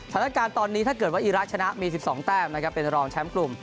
สถานการณ์ตอนนี้ถ้าเกิดว่าอีระชนะมี๑๒แต้มนะครับเป็นรองแชมป์กลุ่ม